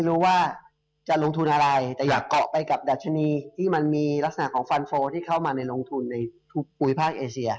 รู้ว่าจะลงทุนอะไรแต่อยากเกาะไปกับดัชนีที่มันมีลักษณะของฟันโฟลที่เข้ามาในลงทุนในทุกภูมิภาคเอเซีย